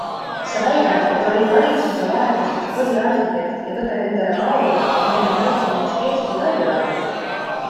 Sa väidad, et olid valitsuse vahetuse üks põhiarhitekt ja võtad endale ka au, et meil on presidendiks Kersti Kaljulaid?